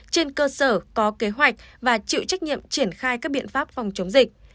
trên cơ sở có kế hoạch và chịu trách nhiệm triển khai các biện pháp phòng chống dịch